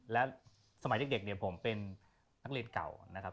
และสมัยเด็กเนี่ยผมเป็นนักเรียนเก่านะครับ